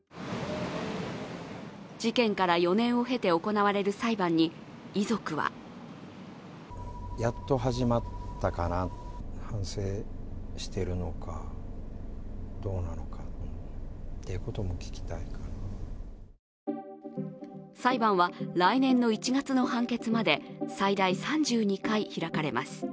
事件から４年を経て行われる裁判に遺族は裁判は来年の１月の判決まで最大３２回開かれます。